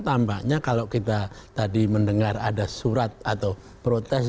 tampaknya kalau kita tadi mendengar ada surat atau protes